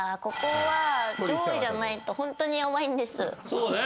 そうね。